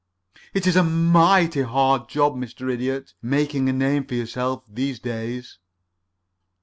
It is a mighty hard job, Mr. Idiot, making a name for yourself these days."